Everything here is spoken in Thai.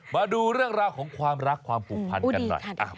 มาดูเรื่องราวของความรักความผูกพันกันหน่อย